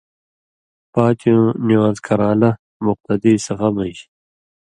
پاتیوں نِوان٘ز کران٘لہ (مُقتدی) صفہ من٘ژ